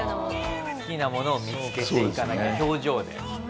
好きなものを見つけていかなきゃ表情で。